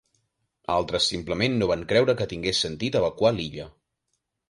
Altres simplement no van creure que tingués sentit evacuar l'illa.